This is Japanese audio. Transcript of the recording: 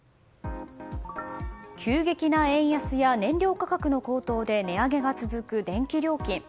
急激な円安や燃料価格の高騰で値上げが続く、電気料金。